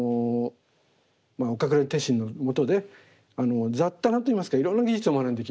岡倉天心のもとで雑多なといいますかいろんな技術を学んでいきます。